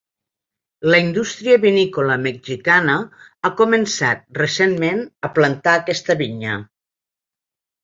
La indústria vinícola mexicana ha començat recentment a plantar aquesta vinya.